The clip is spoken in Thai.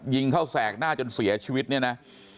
ยิงเข้าแสกหน้าจนเสียชีวิตเนี่ยนะ